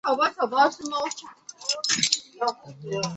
舱外活动开始及结束时间均为协调世界时时区。